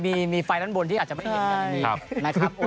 มีไฟด้านบนที่อาจจะไม่เห็นกันนะฮะ